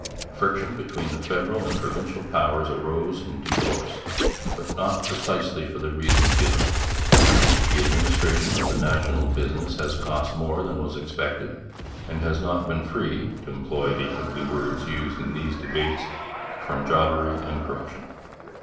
Friction between the federal and provincial powers arose in due course, but not precisely for the reasons given. The administration of the national business has cost more than was expected, and has not been free, to employ the ugly words used in these debates, from jobbery and corruption.